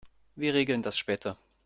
Wir regeln das später.